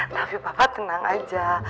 tapi papa tenang aja